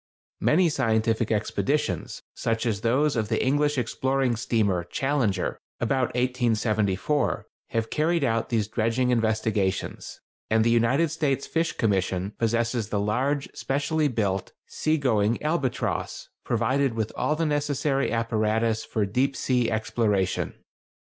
Many scientific expeditions, such as those of the English exploring steamer Challenger, about 1874, have carried out these dredging investigations, and the United States Fish Commission possesses the large, specially built, sea going Albatross, provided with all the necessary apparatus for deep sea exploration.